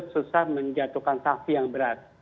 susah menjatuhkan sanksi yang berat